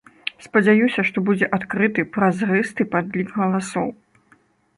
Спадзяюся, што будзе адкрыты, празрысты падлік галасоў.